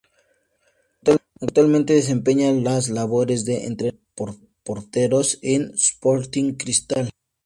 Actualmente desempeña las labores de entrenador de porteros en Sporting Cristal.